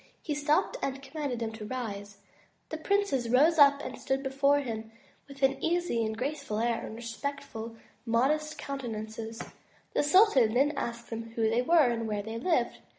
He stopped and commanded them to rise. The 72 THE TREASURE CHEST princes rose up and stood before him with an easy and graceful air, and respectful, modest countenances. The sultan then asked them who they were and where they lived.